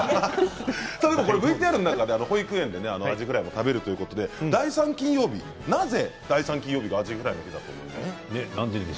ＶＴＲの中で保育園でアジフライを食べるということで第３金曜日なぜ第３金曜日がアジフライの日だと思いますか？